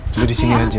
jadi disini aja